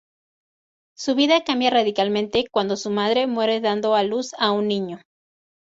Su vida cambia radicalmente cuando su madre muere dando a luz a un niño.